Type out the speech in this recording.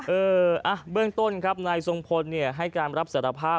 เออเบื้องต้นครับนายทรงพลให้การรับสารภาพ